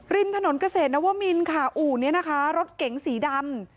ริมถนนเกษตรนวมินค่ะอู่นี้นะคะรถเก๋งสีดำ